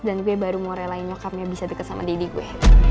dan gue baru mau relain nyokap yang bisa deket sama didi gue